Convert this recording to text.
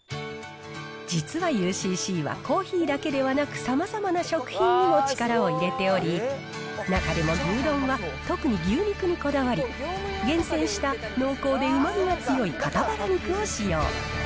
実はＵＣＣはコーヒーだけではなく、さまざまな食品にも力を入れており、中でも牛丼は特に牛肉にこだわり、厳選した濃厚でうまみが強い肩バラ肉を使用。